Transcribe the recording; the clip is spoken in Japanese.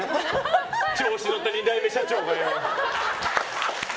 調子に乗った２代目社長がよ！